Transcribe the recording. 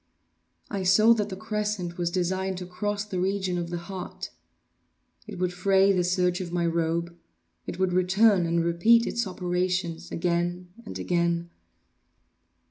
I saw that the crescent was designed to cross the region of the heart. It would fray the serge of my robe—it would return and repeat its operations—again—and again.